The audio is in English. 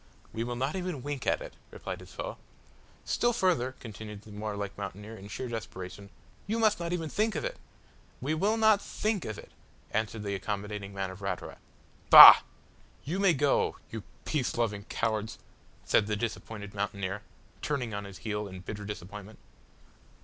"We will not even wink at it," replied his foe. "Still further," continued the warlike mountaineer in sheer desperation, "you must not even think of it." "We will not think of it" answered the accommodating man of Ratura. "Bah! you may go you peace loving cowards," said the disappointed mountaineer, turning on his heel in bitter disappointment.